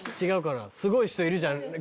違うかなすごい人いるじゃん